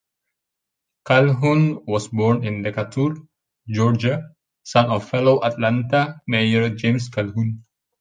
Calhoun was born in Decatur, Georgia, son of fellow Atlanta mayor James Calhoun.